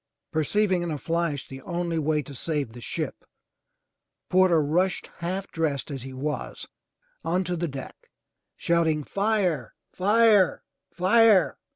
Perceiving in a flash the only way to save the ship, Porter rushed, half dressed as he was, onto the deck, shouting, *Tire! Fire! Fire!''